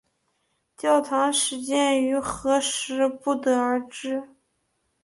教堂始建于何时不得而知。